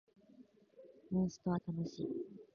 モンストは楽しい